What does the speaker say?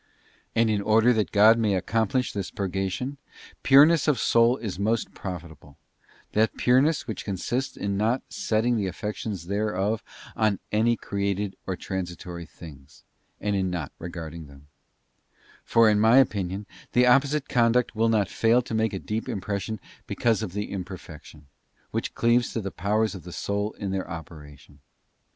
And in order that God may accomplish this purgation, pure ness of soul is most profitable—that pureness which consists in not setting the affections thereof on any created or tran sitory things, and in not regarding them ; for in my opinion, the opposite conduct will not fail to make a deep impression GOD HEARD IN THE SILENCE OF MEMORY. 215 because of the imperfection, which cleaves to the powers of cuap. the soul in their operation.